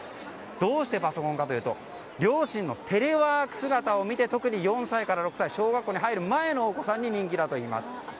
どうしてパソコンかというと両親のテレワーク姿を見て特に４歳から６歳小学校に入る前のお子さんに人気だといいます。